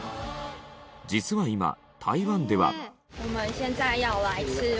実は今台湾では。